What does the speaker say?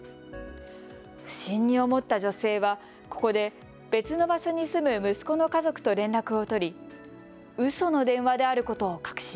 不審に思った女性はここで別の場所に住む息子の家族と連絡を取りうその電話であることを確信。